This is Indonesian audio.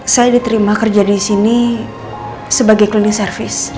saya diterima kerja di sini sebagai klinis servis